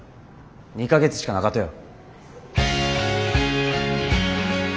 ２か月しかなかとよ。